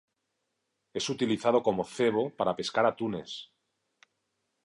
Es utilizado como cebo para pescar atunes.